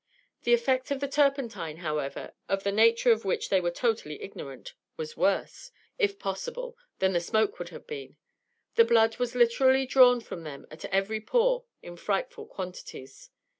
The effect of the turpentine, however, of the nature of which they were totally ignorant, was worse, if possible, than the smoke would have been. The blood was literally drawn from them at every pore in frightful quantities.